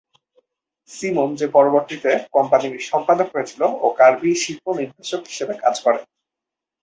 Simon যে পরবর্তীতে কোম্পানির সম্পাদক হয়েছিল ও কার্বি শিল্প নির্দেশক হিসেবে কাজ করে।